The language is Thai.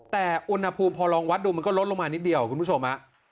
แต่อุณหภูมิพอลองวัดดูมันก็ลดลงมานิดเดียวคุณผู้ชม